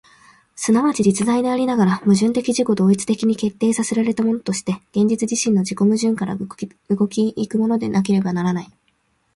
即ち実在でありながら、矛盾的自己同一的に決定せられたものとして、現実自身の自己矛盾から動き行くものでなければならない。